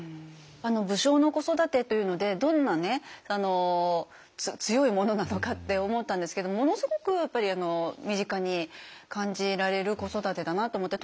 武将の子育てというのでどんなね強いものなのかって思ったんですけどものすごくやっぱり身近に感じられる子育てだなって思って。